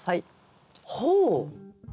ほう？